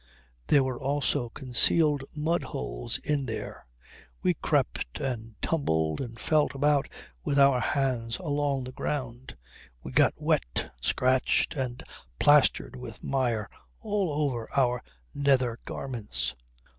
There were also concealed mudholes in there. We crept and tumbled and felt about with our hands along the ground. We got wet, scratched, and plastered with mire all over our nether garments.